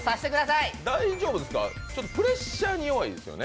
いや、大丈夫ですかプレッシャーに弱いですよね。